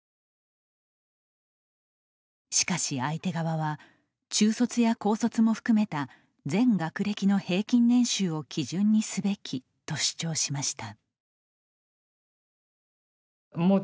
しかし相手側は中卒や高卒も含めた全学歴の平均年収を基準にすべきと主張しました。